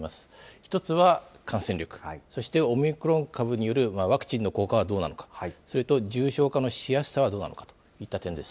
１つは感染力、そしてオミクロン株によるワクチンの効果はどうなのか、それと重症化のしやすさはどうなのかといった点です。